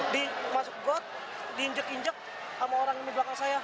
di masuk god diinjek injek sama orang di belakang saya